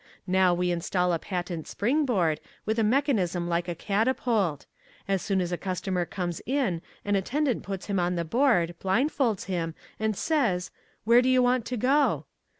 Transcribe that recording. Now we install a patent springboard, with a mechanism like a catapault. As soon as a customer comes in an attendant puts him on the board, blindfolds him, and says, 'Where do you want to go?'